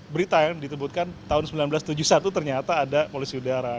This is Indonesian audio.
berita yang disebutkan tahun seribu sembilan ratus tujuh puluh satu ternyata ada polusi udara